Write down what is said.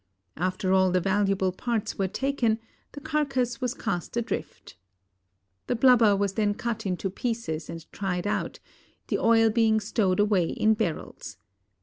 After all the valuable parts were taken the carcass was cast adrift. The blubber was then cut into pieces and tried out, the oil being stowed away in barrels.